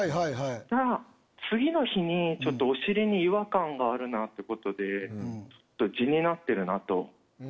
そしたら次の日にお尻に違和感があるなってことで痔になってるなと。